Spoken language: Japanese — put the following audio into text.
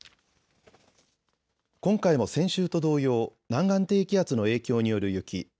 今回も先週と同様、南岸低気圧の影響による雪。